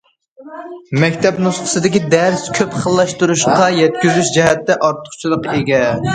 مەكتەپ نۇسخىسىدىكى دەرس كۆپ خىللاشتۇرۇشقا يەتكۈزۈش جەھەتتە ئارتۇقچىلىققا ئىگە.